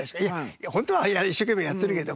いやほんとは一生懸命やってるけど。